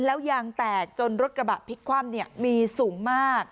แล้วยางแตกจนรถกระบะพลิกคว่ำมีสูงมาก